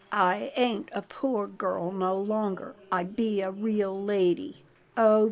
" I ain't a poor girl no longer. I be a real lady." " Oh!